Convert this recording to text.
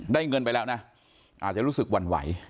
เงินไปแล้วนะอาจจะรู้สึกหวั่นไหว